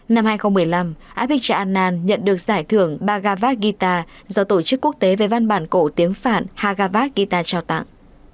năm hai nghìn một mươi năm abhigya anand nhận được giải thưởng bhagavad gita do tổ chức quốc tế về văn bản cổ tiếng phạn bhagavad gita trao tặng